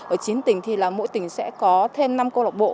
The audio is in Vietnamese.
ở chín tỉnh thì là mỗi tỉnh sẽ có thêm năm câu lạc bộ